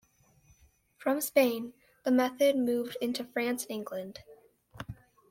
From Spain, the method moved into France and England.